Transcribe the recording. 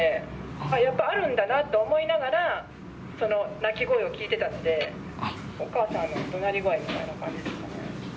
ああ、やっぱあるんだなと思いながら、その泣き声を聞いてたので、お母さんのどなり声みたいな感じとかね。